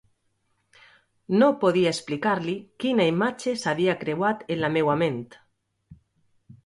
No podia explicar-li quina imatge s'havia creuat en la meua ment.